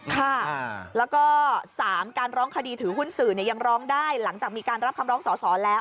ค่ะแล้วก็๓การร้องคดีถือหุ้นสื่อยังร้องได้หลังจากมีการรับคำร้องสอสอแล้ว